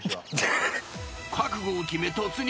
［覚悟を決め突入。